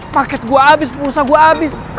paket gue abis perusahaan gue abis